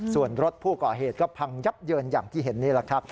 ส่วนรถผู้ก่อเหตุก็พังยับเยินอย่างที่เห็นนี่แหละครับ